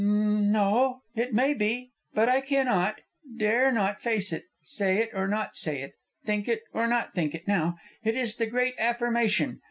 "N o. It may be; but I cannot, dare not face it, say it or not say it, think it or not think it now. It is the great affirmation.